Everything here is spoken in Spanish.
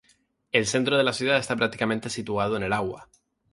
El centro de la ciudad está prácticamente situado en el agua.